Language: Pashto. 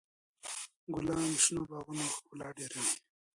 ګلان د شنو باغونو ښکلا ډېروي.